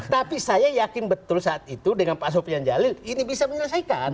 tapi saya yakin betul saat itu dengan pak sofian jalil ini bisa menyelesaikan